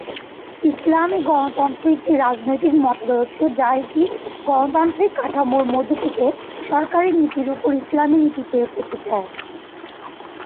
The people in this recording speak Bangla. ইসলামী গণতন্ত্র একটি রাজনৈতিক মতাদর্শ যা একটি গণতান্ত্রিক কাঠামোর মধ্যে থেকে সরকারী নীতির উপর ইসলামী নীতি প্রয়োগ করতে চায়।